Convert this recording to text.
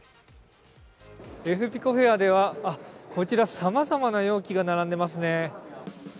エフピコフェアでは、こちらさまざまな容器が並んでいますね。